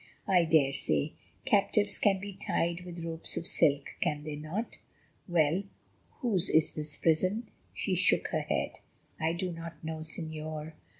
"I daresay; captives can be tied with ropes of silk, can they not? Well, whose is this prison?" She shook her head. "I do not know, Señor.